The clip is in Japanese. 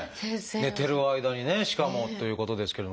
寝てる間にねしかもということですけれども。